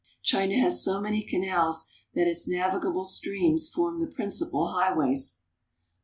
China has so many canals that its navigable streams form the principal highways.